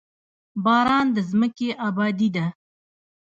باران د ځمکې ابادي ده.